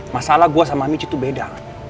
masalah gue sama michi tuh beda